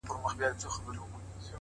• قاضي صاحبه ملامت نه یم، بچي وږي وه،